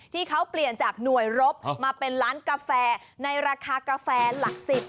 ที่เขาเปลี่ยนจากหน่วยรบมาเป็นร้านกาแฟในราคากาแฟหลัก๑๐